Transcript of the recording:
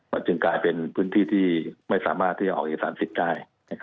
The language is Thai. มันจึงกลายเป็นพื้นที่ที่ไม่สามารถที่จะออกเอกสารสิทธิ์ได้